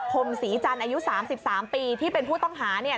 มศรีจันทร์อายุ๓๓ปีที่เป็นผู้ต้องหาเนี่ย